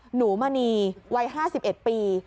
หนูมณีวัย๕๑ปี